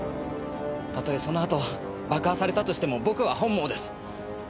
たとえその後爆破されたとしても僕は本望です。